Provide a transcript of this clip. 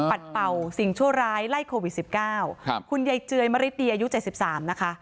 เป่าสิ่งชั่วร้ายไล่โควิดสิบเก้าครับคุณยายเจือยมริตดีอายุเจ็ดสิบสามนะคะ